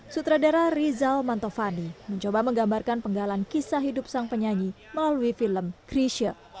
sutradara rizal mantovani mencoba menggambarkan penggalan kisah hidup sang penyanyi melalui film krisha